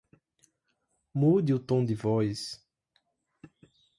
Mude o tom de voz